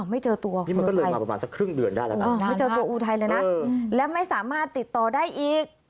ไม่เจอตัวอูไทยเลยนะและไม่สามารถติดต่อได้อีก